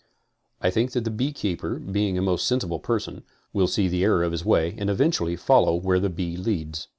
I think that the beekeepr, being a most sensible person, will see the error of his way and eventually follow where the bee leads.